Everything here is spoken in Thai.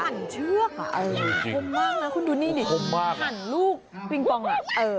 หั่นเชือกเออฮ่าผมบ้างนะคุณดูนี่นิหั่นลูกปิ๊งปองอ่ะเออ